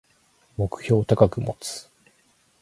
目標を高く持つ